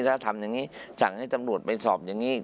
ถ้าทำอย่างนี้สั่งให้ตำรวจไปสอบอย่างนี้